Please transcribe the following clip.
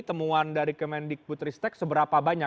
temuan dari kemendik putristek seberapa banyak